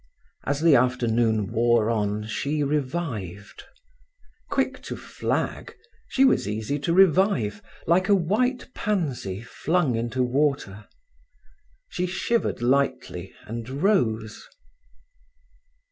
As the afternoon wore on she revived. Quick to flag, she was easy to revive, like a white pansy flung into water. She shivered lightly and rose.